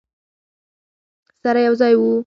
سره یو ځای وو.